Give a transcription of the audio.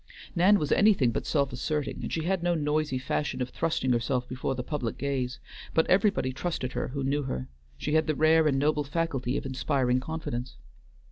Nan was anything but self asserting, and she had no noisy fashion of thrusting herself before the public gaze, but everybody trusted her who knew her; she had the rare and noble faculty of inspiring confidence.